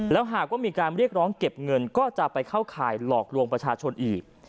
แล้วหากว่ามีการเรียกร้องเก็บเงินก็จะไปเข้าข่ายหลอกลวงประชาชนอีก